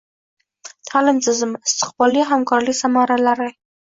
Ta’lim tizimi: istiqbolli hamkorlik samaralari